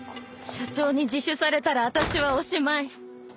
社長に自首されたら私はおしまい。